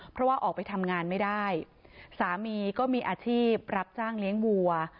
เพราะว่าออกไปทำงานไม่ได้สามีก็มีอาชีพรับจ้างเลี้ยงวัว